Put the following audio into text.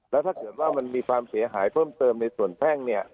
แล้วถ้าเกิดว่ามันมีความเสียหายเพิ่มเติมในส่วนแพ่งเนี่ย